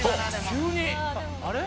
「急にあれ？」